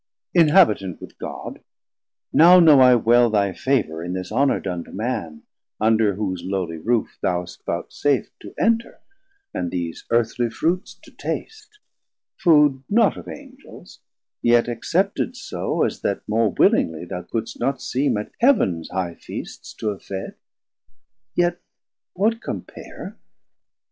460 Inhabitant with God, now know I well Thy favour, in this honour done to man, Under whose lowly roof thou hast voutsaf't To enter, and these earthly fruits to taste, Food not of Angels, yet accepted so, As that more willingly thou couldst not seem At Heav'ns high feasts to have fed: yet what compare?